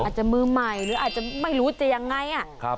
อาจจะมือใหม่หรืออาจจะไม่รู้จะยังไง